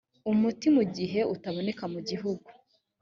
umuti mu gihe utaboneka mu gihugu